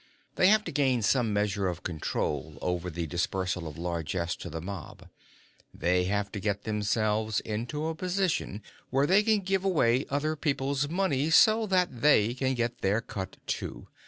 They have to gain some measure of control over the dispersal of largesse to the mob; they have to get themselves into a position where they can give away other people's money, so that they can get their cut, too.